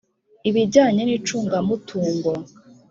ibijyanye n icungamutungo